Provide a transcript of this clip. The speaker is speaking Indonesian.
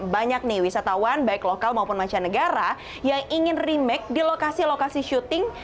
banyak nih wisatawan baik lokal maupun mancanegara yang ingin remake di lokasi lokasi syuting